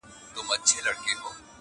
• دا دریمه ده له درده چي تاویږي -